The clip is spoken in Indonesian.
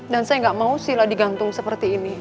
dan saya nggak mau sila digantung seperti ini